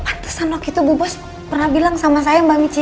atasan waktu itu bu bos pernah bilang sama saya mbak mici